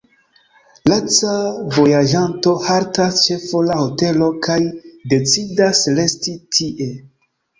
Laca vojaĝanto haltas ĉe fora hotelo kaj decidas resti tie.